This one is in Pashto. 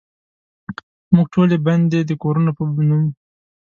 موږ ټولې بندې دکورونو په نوم،